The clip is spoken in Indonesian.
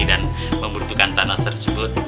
dan membentukkan tanah tersebut